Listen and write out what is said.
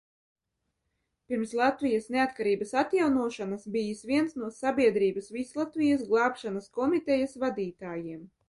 "Pirms Latvijas neatkarības atjaunošanas bijis viens no "Sabiedrības glābšanas Vislatvijas komitejas" vadītājiem."